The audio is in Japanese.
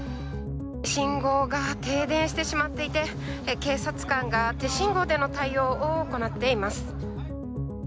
信号が停電してしまっていて、警察官が手信号での対応を行っています。